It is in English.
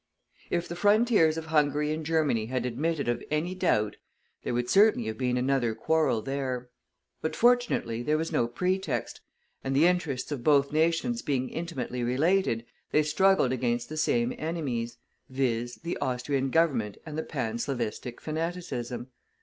If the frontiers of Hungary and Germany had admitted of any doubt, there would certainly have been another quarrel there. But, fortunately, there was no pretext, and the interests of both nations being intimately related, they struggled against the same enemies, viz., the Austrian Government and the Panslavistic fanaticism.